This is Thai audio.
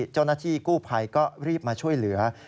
เจ้าหน้าที่กู้ภัยก็รีบมาช่วยเหลือ